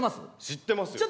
知ってますよ。